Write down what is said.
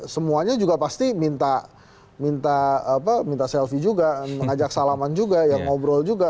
semuanya juga pasti minta selfie juga mengajak salaman juga ya ngobrol juga